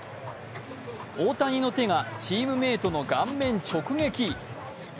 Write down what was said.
大谷の手がチームメートの顔面直撃。